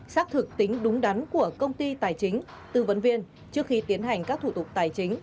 xác thực tính đúng đắn của công ty tài chính tư vấn viên trước khi tiến hành các thủ tục tài chính